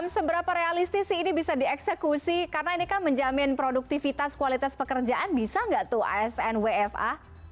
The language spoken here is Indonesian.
seberapa realistis sih ini bisa dieksekusi karena ini kan menjamin produktivitas kualitas pekerjaan bisa nggak tuh asn wfa